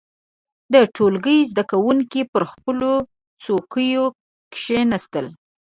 • د ټولګي زده کوونکي پر خپلو څوکيو کښېناستل.